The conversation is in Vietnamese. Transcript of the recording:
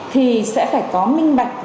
thì sẽ phải có minh bạch